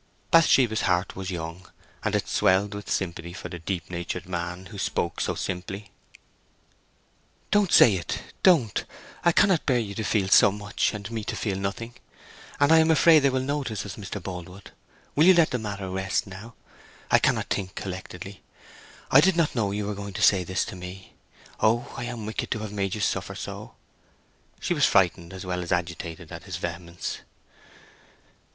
Bathsheba's heart was young, and it swelled with sympathy for the deep natured man who spoke so simply. "Don't say it! don't! I cannot bear you to feel so much, and me to feel nothing. And I am afraid they will notice us, Mr. Boldwood. Will you let the matter rest now? I cannot think collectedly. I did not know you were going to say this to me. Oh, I am wicked to have made you suffer so!" She was frightened as well as agitated at his vehemence.